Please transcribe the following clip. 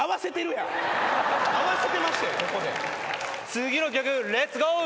次の曲レッツゴー。